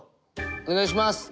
お願いします。